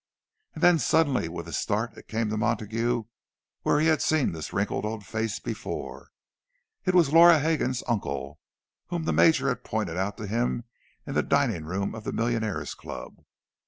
And then suddenly, with a start, it came to Montague where he had seen this wrinkled old face before. It was Laura Hegan's uncle, whom the Major had pointed out to him in the dining room of the Millionaires' Club!